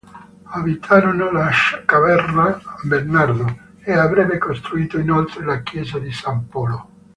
Abitarono la Ca'Bernardo, e avrebbe costruito, inoltre, la chiesa di San Polo.